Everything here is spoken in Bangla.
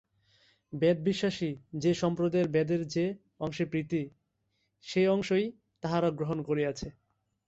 বেদবিশ্বাসী যে সম্প্রদায়ের বেদের যে অংশে প্রীতি, সেই অংশই তাহারা গ্রহণ করিয়াছে।